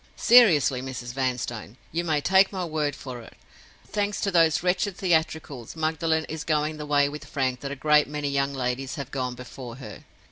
Seriously, Mrs. Vanstone, you may take my word for it—thanks to those wretched theatricals, Magdalen is going the way with Frank that a great many young ladies have gone before her.